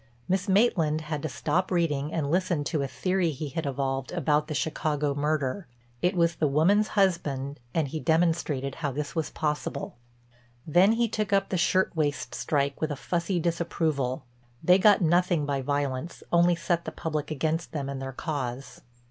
Miss Maitland had to stop reading and listen to a theory he had evolved about the Chicago murder—it was the woman's husband and he demonstrated how this was possible. Then he took up the shirtwaist strike with a fussy disapproval—they got nothing by violence, only set the public against them and their cause.